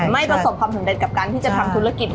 ประสบความสำเร็จกับการที่จะทำธุรกิจ